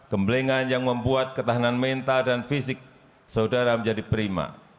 gemblengan yang membuat ketahanan mental dan fisik saudara menjadi prima